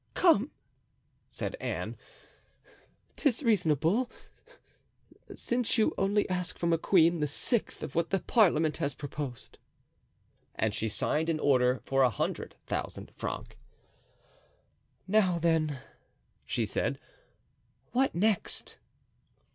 "Come," said Anne, "'tis reasonable, since you only ask from a queen the sixth of what the parliament has proposed;" and she signed an order for a hundred thousand francs. "Now, then," she said, "what next?"